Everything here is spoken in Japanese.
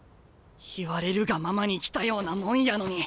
言われるがままに来たようなもんやのに。